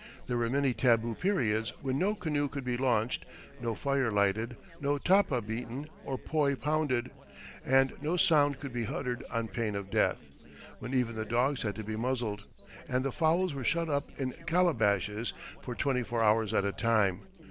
There were many tabu periods when "no canoe could be launched, no fire lighted, no tapa beaten or poi pounded, and no sound could be uttered on pain of death, when even the dogs had to be muzzled, and the fowls were shut up in calabashes for twenty four hours at a time."